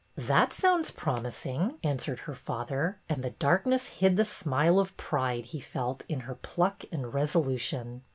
" That sounds promising," answered her father, and the darkness hid the smile of pride he felt in her pluck and resolution.